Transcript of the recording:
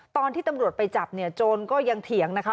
ตอนที่ตำรวจไปจับเนี่ยโจรก็ยังเถียงนะคะ